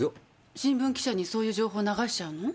新聞記者にそういう情報流しちゃうの？